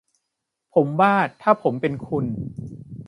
ผมว่า ถ้าผมเป็นคุณ